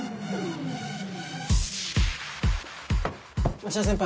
町田先輩